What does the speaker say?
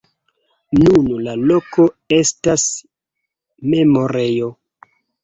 Nun la loko estas memorejo.